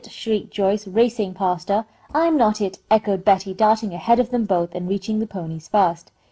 shrieked Joyce, racing past her. "I'm not it!" echoed Betty, darting ahead of them both, and reaching the ponies first.